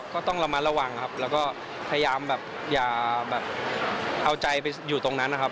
ก็ต้องระมัดระวังครับแล้วก็พยายามแบบอย่าแบบเอาใจไปอยู่ตรงนั้นนะครับ